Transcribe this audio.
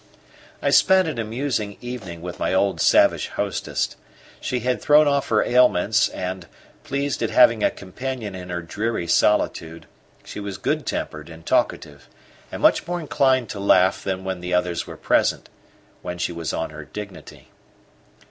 I spent an amusing evening with my old savage hostess. She had thrown off her ailments and, pleased at having a companion in her dreary solitude, she was good tempered and talkative, and much more inclined to laugh than when the others were present, when she was on her dignity.